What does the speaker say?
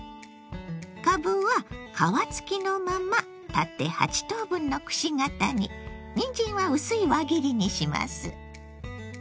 かぶは皮付きのまま縦８等分のくし形ににんじんは薄い輪切りにします。